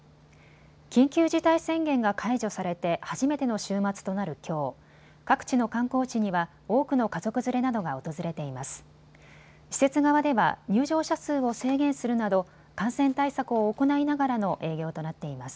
緊急事態宣言が解除されて初めての週末となるきょう、各地の観光地には多くの家族連れなどが訪れています。